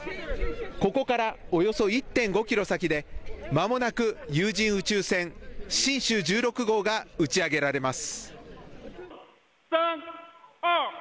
ここからおよそ１．５キロ先でまもなく有人宇宙船、神舟１６号が打ち上げられます。